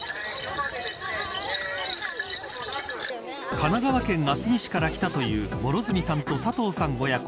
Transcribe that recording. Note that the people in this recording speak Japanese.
神奈川県厚木市から来たという諸角さんと佐藤さん親子。